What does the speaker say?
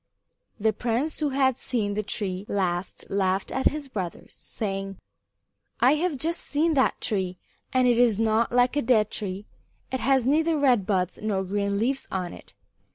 The prince who had seen the tree last laughed at his brothers, saying: "I have just seen that tree, and it is not like a dead tree. It has neither red buds nor green leaves on it.